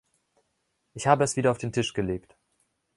Ich habe es wieder auf den Tisch gelegt.